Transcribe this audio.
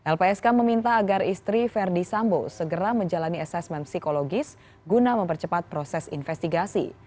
lpsk meminta agar istri verdi sambo segera menjalani asesmen psikologis guna mempercepat proses investigasi